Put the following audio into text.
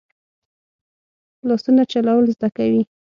لاسونه چلول زده کوي